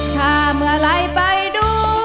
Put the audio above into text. ถ้าเมื่อไหร่ไปดู